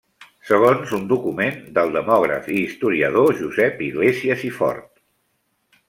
Segons un document del demògraf i historiador Josep Iglésies i Fort.